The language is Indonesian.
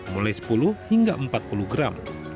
mulai sepuluh hingga empat puluh gram